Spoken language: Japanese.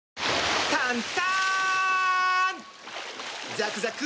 ザクザク！